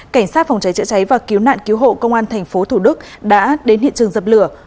cảnh sát phòng cháy chữa cháy và cứu nạn cứu hộ công an tp thủ đức đã đến hiện trường dập lửa